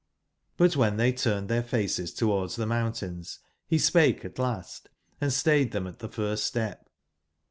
But wben tbey turned tbeir faces towards tbe mountains be spake at last, and stayed tbem at tbe first step.